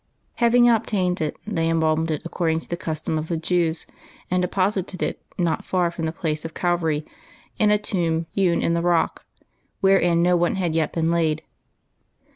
Having obtained it, they embalmed it according to the custom of the Jews, and deposited it not far from the place of Calvary, in a tomb hewn in the rock, wherein no one had yet been laid.